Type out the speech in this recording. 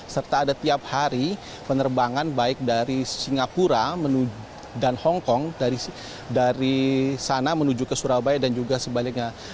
serta ada tiap hari penerbangan baik dari singapura dan hongkong dari sana menuju ke surabaya dan juga sebaliknya